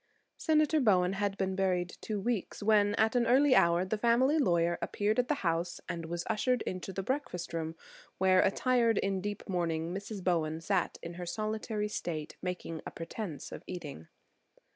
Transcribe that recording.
Senator Bowen had been buried two weeks when, at an early hour, the family lawyer appeared at the house and was ushered into the breakfast room where, attired in deep mourning, Mrs. Bowen sat in solitary state making a pretense of eating.